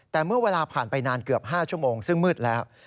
แต่เมื่อเวลาผ่านไปนานเกือบ๕ชั่วโมงซึ่งมืดแล้ว